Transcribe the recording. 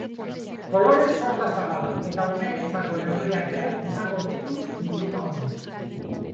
Kolore sorta zabala eta umeentzako neurriak ere izango ditu bilduma honek.